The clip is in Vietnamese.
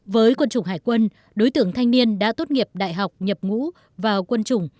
với quân chủng hải quân đối tượng thanh niên đã tốt nghiệp đại học nhập ngũ vào quân chủng